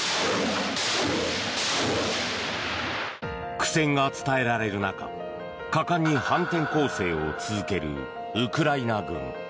苦戦が伝えられる中果敢に反転攻勢を続けるウクライナ軍。